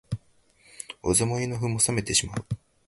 お座も胃の腑も冷めてしまう